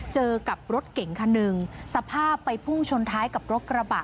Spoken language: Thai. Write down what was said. เจอกับรถเก่งคันหนึ่งสภาพไปพุ่งชนท้ายกับรถกระบะ